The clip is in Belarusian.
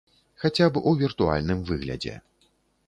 Хаця б у віртуальным выглядзе.